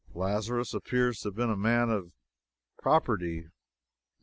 Lazarus appears to have been a man of property.